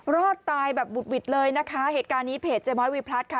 รอดตายแบบบุดหวิดเลยนะคะเหตุการณ์นี้เพจเจม้อยวีพลัดค่ะ